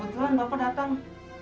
kebetulan bapak datang